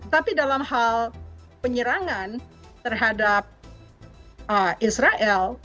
tapi dalam hal penyerangan terhadap israel